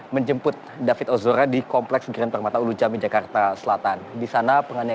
menjemput david ozora di kompleks geran permata ulu jami jakarta selatan